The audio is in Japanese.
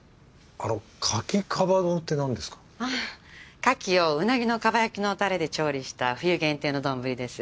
あ牡蠣をうなぎの蒲焼のタレで調理した冬限定の丼です。